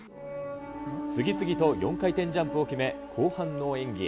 次々と４回転ジャンプを決め、後半の演技へ。